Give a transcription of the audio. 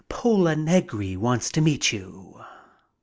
Pola Negri wants to meet you.